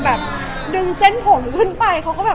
พอเสร็จจากเล็กคาเป็ดก็จะมีเยอะแยะมากมาย